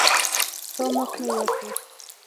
ستا مخ مې یاد و.